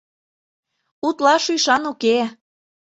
Утлаш ӱшан уке.